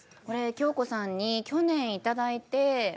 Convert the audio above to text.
これ京子さんに去年頂いて。